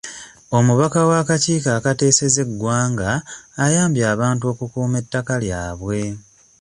Omubaka w'akakiiko akateeseza eggwanga ayambye abantu okukuuma ettaka lyabwe.